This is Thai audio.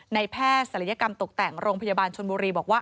แพทย์ศัลยกรรมตกแต่งโรงพยาบาลชนบุรีบอกว่า